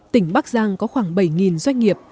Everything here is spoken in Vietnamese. tỉnh bắc giang có khoảng bảy doanh nghiệp